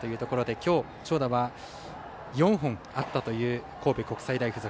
きょう、長打は４本あったという神戸国際大付属。